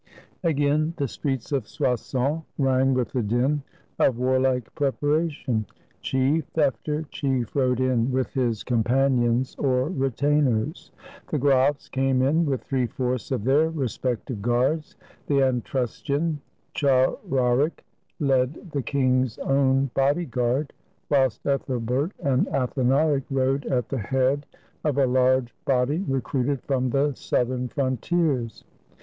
Again the streets of Soissons rang with the din of warlike preparation. Chief after chief rode in with his 144 THE CHRISTMAS OF 496 companions or retainers. The Grafs came in with three fourths of their respective guards. The Antrustion Chararic led the king's own body guard, whilst Ethel bert andAthanaric rode at the head of a large body re cruited from the southern frontiers.